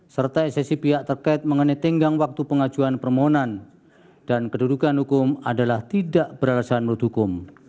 serta esensi pihak terkait mengenai tenggang waktu pengajuan permohonan dan kedudukan hukum adalah tidak beralasan menurut hukum